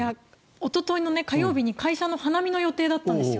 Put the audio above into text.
おとといの火曜日に会社の花見の予定だったんですよ